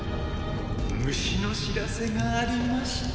虫の知らせがありまして。